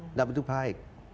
enggak begitu baik